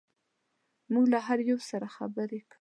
موږ له یو بل سره خبرې کوو.